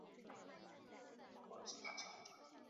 由伊桑阿接任。